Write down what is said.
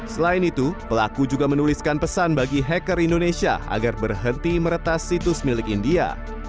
selain itu pelaku juga menuliskan pesan bagi hacker indonesia agar berhenti meretas situs milik india